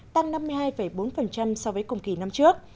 tăng năm mươi hai bốn so với cùng kỳ năm trước